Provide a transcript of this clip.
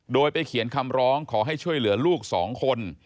โดยไปเขียนคำร้องขอให้ช่วยเหลือลูก๒คน